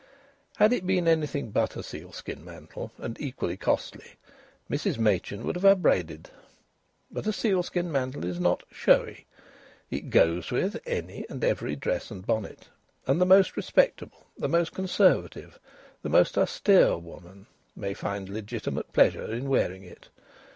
Had it been anything but a sealskin mantle, and equally costly, Mrs Machin would have upbraided. But a sealskin mantle is not "showy." It "goes with" any and every dress and bonnet. And the most respectable, the most conservative, the most austere woman may find legitimate pleasure in wearing it.